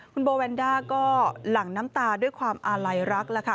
คุณโบแวนด้าก็หลั่งน้ำตาด้วยความอาลัยรักแล้วค่ะ